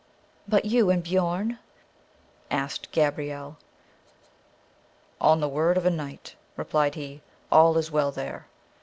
"But you and Biorn?" asked Gabrielle. "On the word of a knight," replied he, "all is well there."